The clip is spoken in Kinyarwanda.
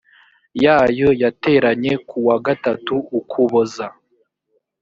yayo yateranye ku wa gatatu ukuboza